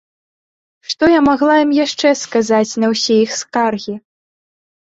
Што я магла ім яшчэ сказаць на ўсе іх скаргі?